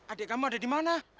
adik kamu ada di mana